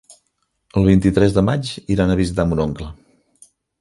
El vint-i-tres de maig iran a visitar mon oncle.